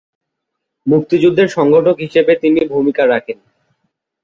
মুক্তিযুদ্ধের সংগঠক হিসেবে তিনি ভূমিকা রাখেন।